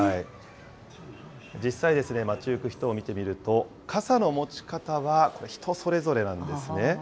実際、街行く人を見てみると傘の持ち方はこれ、人それぞれなんですね。